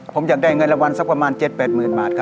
ผมอยากได้เงินละวันสักประมาณ๗๐๐๐๐๘๐บาท